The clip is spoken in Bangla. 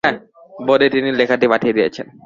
বোধ হয় তিনি লেখাটা পাঠিয়ে দিয়েছেন।